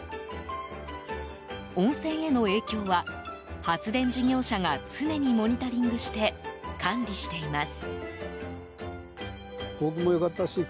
温泉への影響は、発電事業者が常にモニタリングして管理しています。